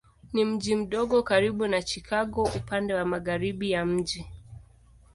Ni mji mdogo karibu na Chicago upande wa magharibi ya mji.